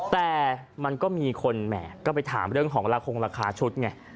แต่มันก็มีคนแหมก็ไปถามเรื่องของละคงราคาชุดไง